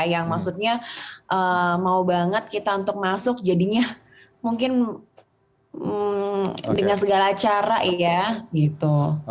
yang maksudnya mau banget kita untuk masuk jadinya mungkin dengan segala cara ya gitu